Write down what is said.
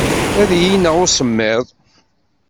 Ad iyi-ineɣ usemmiḍ.